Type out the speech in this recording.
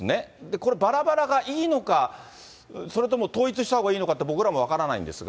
これ、ばらばらがいいのか、それとも統一したほうがいいのかって、僕らも分からないんですが。